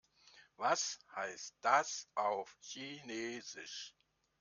Was heißt das auf Chinesisch?